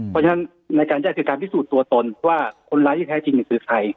เพราะฉะนั้นในการจะอธิสูจน์ตัวตนว่าคนร้ายที่แท้จริงแหละคืกใคร